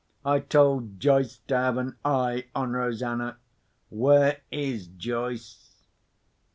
I told Joyce to have an eye on Rosanna. Where is Joyce?"